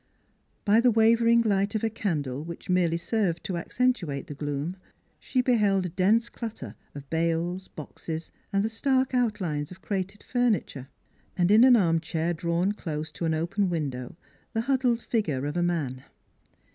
By the wavering light of a candle which merely served to accentuate the gloom, she beheld a dense clutter of bales, boxes, and the stark out lines of crated furniture; and in an arm chair drawn close to an open window the huddled figure of a man.